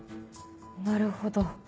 なるほど。